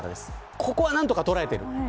ここは何とか捉えている。